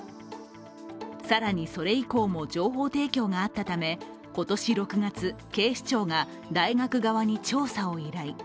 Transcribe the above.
更に、それ以降も情報提供があったため、今年６月、警視庁が大学側に調査を依頼。